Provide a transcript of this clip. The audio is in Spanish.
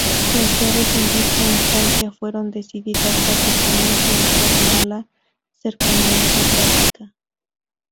Las llaves en dicha instancia fueron decididas básicamente en torno a la cercanía geográfica.